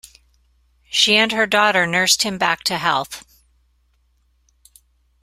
She and her daughter nursed him back to health.